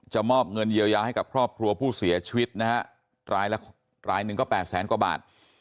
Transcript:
มอบเงินเยียวยาให้กับครอบครัวผู้เสียชีวิตนะฮะรายละรายหนึ่งก็๘แสนกว่าบาท